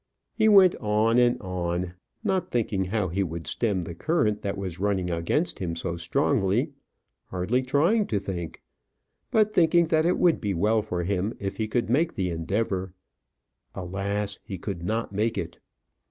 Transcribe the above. He went on and on, not thinking how he would stem the current that was running against him so strongly; hardly trying to think; but thinking that it would be well for him if he could make the endeavour. Alas! he could not make it!